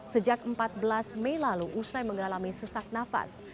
sejak empat belas mei lalu usai mengalami sesak nafas